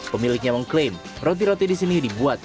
pemiliknya mengklaim roti roti di sini dibuat